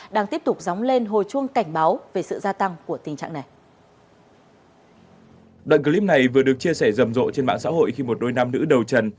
đoạn clip này vừa được chia sẻ rầm rộ trên mạng xã hội khi một đôi nam nữ đầu trần